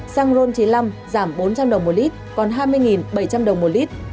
xăng ron chín mươi năm giảm bốn trăm linh đồng một lít còn hai mươi bảy trăm linh đồng một lít